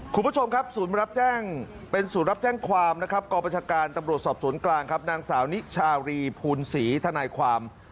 คุณผู้ชมครับศูนย์รับแจ้งเป็นศูนย์รับแจ้งความนะครับกรประชาการตำรวจสอบสวนกลางครับนางสาวนิชารีภูลศรีทนายความ